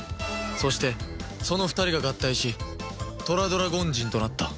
そしてその２人が合体しトラドラゴンジンとなった